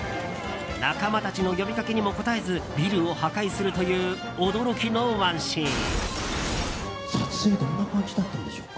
仲間たちの呼びかけにも答えずビルを破壊するという驚きのワンシーン。